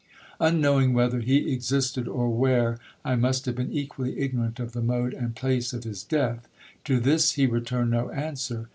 Unknowing whether he existed, or where, I must have been equally ignorant of the mode and place of his death. To this he returned no answer.